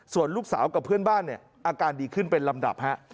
ส่วนลูกสาวกับเพื่อนบ้านเนี่ยอาการดีขึ้นเป็นลำดับฮะ